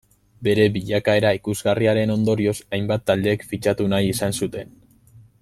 Bere bilakaera ikusgarriaren ondorioz, hainbat taldek fitxatu nahi izan zuten.